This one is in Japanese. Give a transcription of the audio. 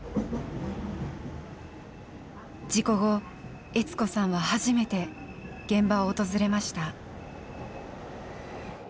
事故後悦子さんは初めて現場を訪れました。